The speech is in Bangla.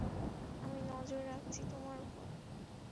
আমি নজর রাখছি তোমার ওপর।